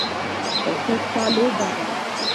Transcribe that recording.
کرکټ ښه لوبه ده